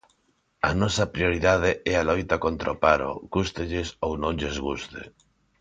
A nosa prioridade é a loita contra o paro, gústelles ou non lles guste.